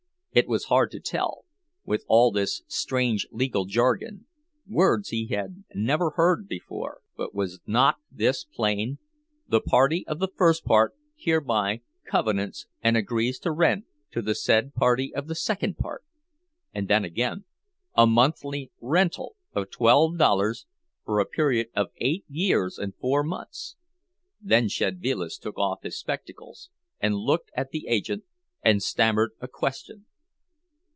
It was hard to tell, with all this strange legal jargon, words he had never heard before; but was not this plain—"the party of the first part hereby covenants and agrees to rent to the said party of the second part!" And then again—"a monthly rental of twelve dollars, for a period of eight years and four months!" Then Szedvilas took off his spectacles, and looked at the agent, and stammered a question.